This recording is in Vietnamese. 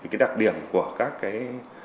cái đặc điểm của các cái